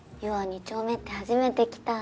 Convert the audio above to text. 二丁目って初めて来た。